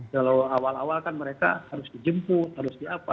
kalau awal awal kan mereka harus dijemput harus diapa